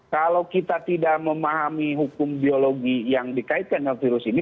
kalau kita tidak memahami hukum biologi yang dikaitkan dengan virus ini